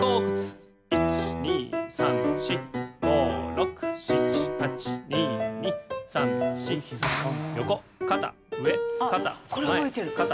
「１２３４５６７８」「２２３４」「横肩上肩前肩横下ろす」